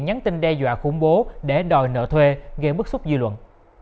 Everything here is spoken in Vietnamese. nhắn tin đe dọa khủng bố để đòi nợ thuê gây bức xúc dư luận